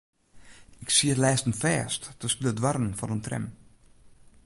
Ik siet lêsten fêst tusken de doarren fan in tram.